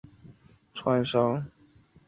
数字符号表示一个数字的字符和字符序列。